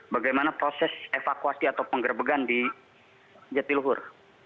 bagaimana proses evakuasi atau penggerbegan di jatiluhur